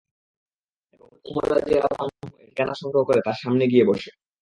এবং হযরত উমর রাযিয়াল্লাহু আনহু-এর ঠিকানা সংগ্রহ করে তার সামনে গিয়ে বসে।